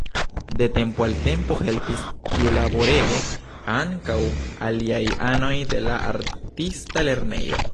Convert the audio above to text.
De tempo al tempo helpis tiulaborege ankaŭ aliaj anoj de la artista lernejo.